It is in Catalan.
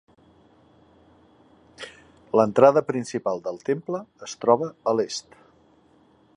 L'entrada principal del temple es troba a l'est.